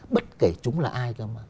bất kể chúng là ai